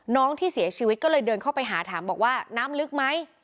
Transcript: น้องที่เสียชีวิตก็เลยเดินเข้าไปหาถามบอกว่าน้ำลึกไหม